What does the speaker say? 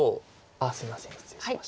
あっすいません失礼しました。